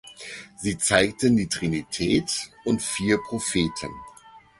Sie zeigen die Trinität und vier Propheten.